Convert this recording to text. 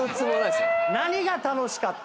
何が楽しかった？